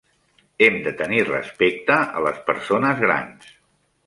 Hem de tenir respecte a les persones grans.